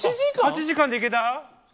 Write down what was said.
８時間で行けた？